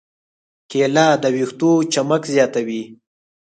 کېله د ویښتو چمک زیاتوي.